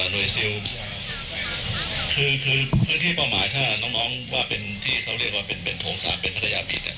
หน่วยซิลคือพื้นที่เป้าหมายถ้าน้องว่าเป็นที่เขาเรียกว่าเป็นโถง๓เป็นพัทยาบีต